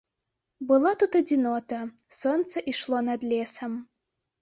Была тут адзінота, сонца ішло над лесам.